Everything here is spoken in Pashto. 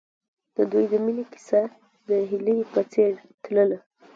د دوی د مینې کیسه د هیلې په څېر تلله.